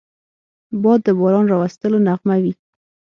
باد د باران راوستلو نغمه وي